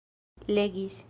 legis